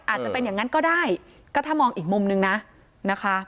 อาจจะเป็นอย่างนั้นก็ได้ก็ถ้ามองอีกมุมนึงนะนะคะ